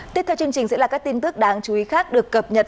tiếp theo chương trình sẽ là các tin tức đáng chú ý khác được cập nhật